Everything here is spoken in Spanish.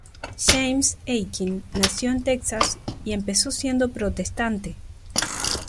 James Akin nació en Texas y empezó siendo protestante.